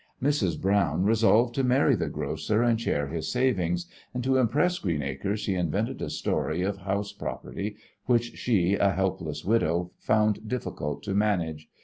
Mrs. Browne resolved to marry the grocer and share his savings, and to impress Greenacre she invented a story of house property which she, a helpless widow, found difficult to manage.